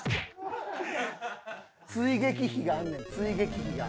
追撃火があんねん追撃火が。